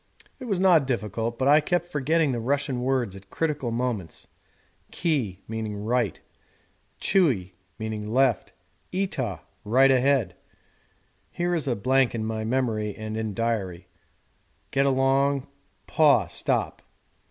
It was not difficult, but I kept forgetting the Russian words at critical moments: 'Ki' 'right'; 'Tchui' 'left'; 'Itah' 'right ahead'; [here is a blank in memory and in diary] 'get along'; 'Paw' 'stop.'